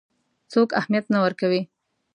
څوک اهمیت نه ورکوي.